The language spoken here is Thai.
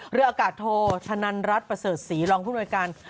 เรืออากาศโทธนันรัฐประเสริฐศรีลองพูดบริการ